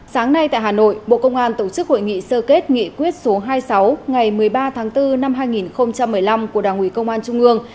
sáng nay tại hà nội bộ công an tổ chức hội nghị sơ kết nghị quyết số hai mươi sáu ngày một mươi ba tháng bốn năm hai nghìn một mươi năm của đảng ủy công an trung ương